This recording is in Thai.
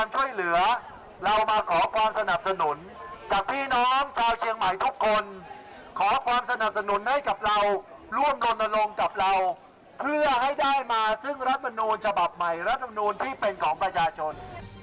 สมัยรถนมนูลที่เป็นของประชาชน